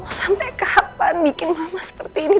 oh sampai kapan bikin mama seperti ini